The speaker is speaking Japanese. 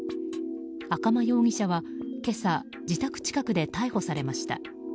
赤間容疑者は、今朝自宅近くで逮捕されました。